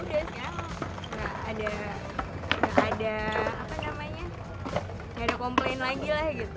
jadi yaudah gak ada komplain lagi lah gitu